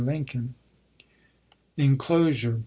Lincoln. [Inclosure.